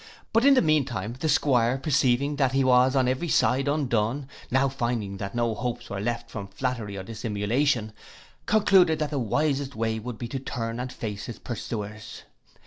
But in the mean time the 'Squire perceiving that he was on every side undone, now finding that no hopes were left from flattery or dissimulation, concluded that his wisest way would be to turn and face his pursuers.